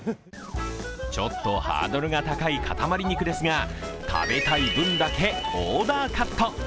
ちょっとハードルが高い塊肉ですが食べたい分だけオーダーカット。